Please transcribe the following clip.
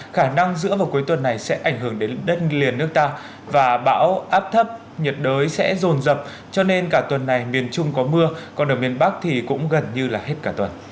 khả năng giữa vào cuối tuần này sẽ ảnh hưởng đến đất liền nước ta và bão áp thấp nhiệt đới sẽ rồn rập cho nên cả tuần này miền trung có mưa còn ở miền bắc thì cũng gần như là hết cả tuần